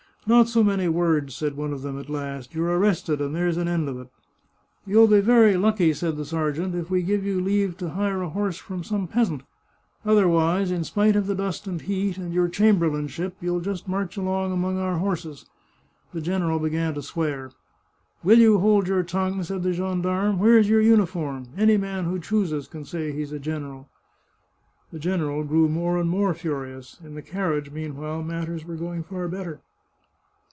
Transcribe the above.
" Not so many words !" said one of them at last ;" you're arrested, and there's an end of it." " You'll be very lucky," said the sergeant, " if we give you leave to hire a horse from some peasant! Otherwise, in spite of the dust and the heat, and your chamberlain ship, you'll just march along among our horses." The general began to swear. "Will you hold your tongue?" said the gendarme. " Where's your uniform ? Any man who chooses can say he is a general." The general grew more and more furious. In the car riage, meanwhile, matters were going far better.